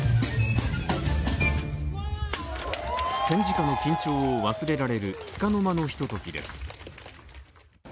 戦時下の緊張を忘れられるつかの間のひとときです。